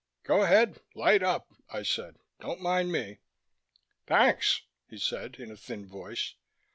"Go ahead, light up," I said. "Don't mind me." "Thanks," he said, in a thin voice.